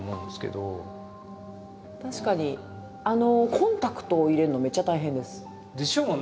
コンタクトを入れるのめっちゃ大変です。でしょうね。